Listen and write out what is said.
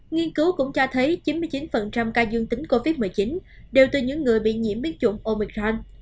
nghiên cứu cũng cho thấy chín mươi chín ca dương tính covid một mươi chín đều từ những người bị nhiễm biến chủng omican